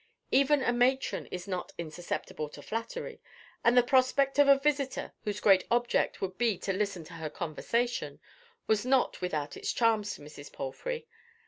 Even a matron is not insusceptible to flattery, and the prospect of a visitor whose great object would be to listen to her conversation, was not without its charms to Mrs. Palfrey.